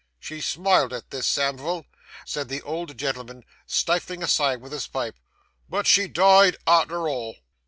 She smiled at this, Samivel,' said the old gentleman, stifling a sigh with his pipe, 'but she died arter all!